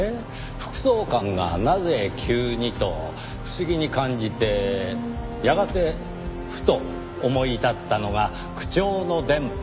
副総監がなぜ急にと不思議に感じてやがてふと思い至ったのが口調の伝播。